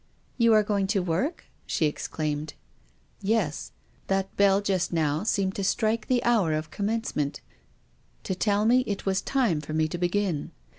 " You are going to work ?" she exclaimed. " Yes. That bell just now seemed to strike the hour of commencement — to tell me it was time for me to begin.